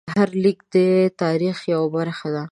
هر لیک د تاریخ یوه برخه وه.